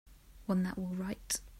One that will write.